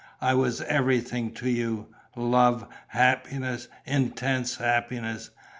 "I was everything to you: love, happiness, intense happiness....